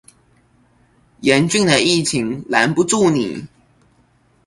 嚴峻的疫情攔不住你